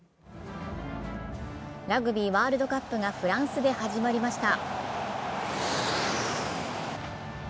ラグビーワールドカップがフランスで始まりました。